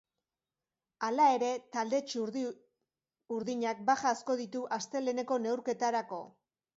Hala ere, talde txuri-urdinak baja asko ditu asteleheneko neurketarako.